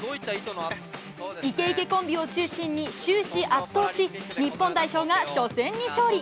イケイケコンビを中心に、終始圧倒し、日本代表が初戦に勝利。